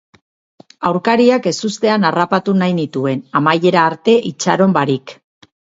Aurkariak ezustean harrapatu nahi nituen, amaiera arte itxaron barik.